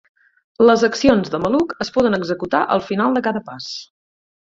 Les accions de maluc es poden executar al final de cada pas.